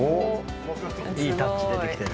いいタッチ出てきてる。